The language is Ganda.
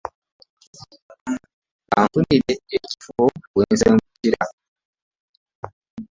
Bamufunira ekifo wasengukira.